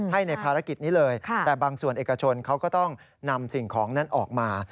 ให้ในภารกิจนี้เลยแต่บางส่วนเอกชนเขาก็ต้องนำสิ่งของนั้นออกมา